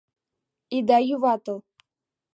Ида юватыл.